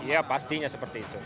ya pastinya seperti itu